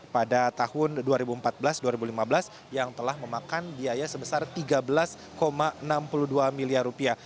pada tahun dua ribu empat belas dua ribu lima belas yang telah memakan biaya sebesar tiga belas enam puluh dua miliar rupiah